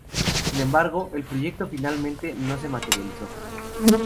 Sin embargo, el proyecto finalmente no se materializó.